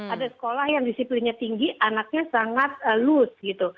ada sekolah yang disiplinnya tinggi anaknya sangat loos gitu